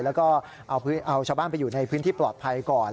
แล้วก็เอาชาวบ้านไปอยู่ในพื้นที่ปลอดภัยก่อน